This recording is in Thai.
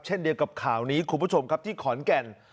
เช่นเดียวกับข่าวนี้คุณผู้ชมครับที่ขอนแก่น